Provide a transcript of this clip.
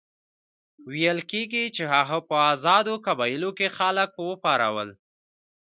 ویل کېږي چې هغه په آزادو قبایلو کې خلک وپارول.